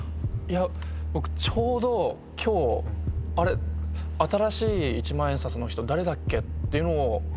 僕ちょうど今日新しい一万円札の人誰だっけ？っていうのを朝ふと。